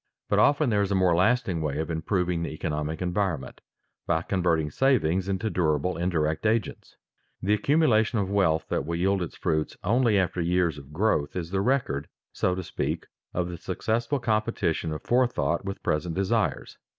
But often there is a more lasting way of improving the economic environment by converting savings into durable indirect agents. The accumulation of wealth that will yield its fruits only after years of growth is the record, so to speak, of the successful competition of forethought with present desires.